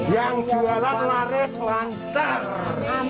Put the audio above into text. yang jualan laris lantar